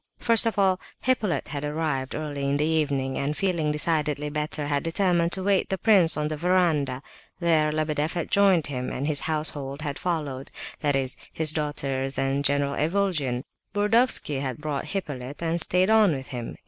First of all Hippolyte had arrived, early in the evening, and feeling decidedly better, had determined to await the prince on the verandah. There Lebedeff had joined him, and his household had followed—that is, his daughters and General Ivolgin. Burdovsky had brought Hippolyte, and stayed on with him.